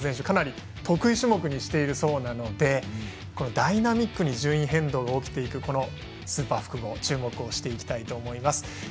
かなり得意種目にしているそうなのでダイナミックに順位変動が起きていくスーパー複合注目していきたいと思います。